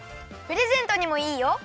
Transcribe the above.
プレゼントにもいいよ！